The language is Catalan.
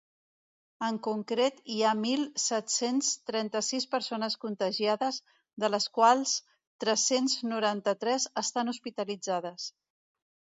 En concret hi ha mil set-cents trenta-sis persones contagiades, de les quals tres-cents noranta-tres estan hospitalitzades.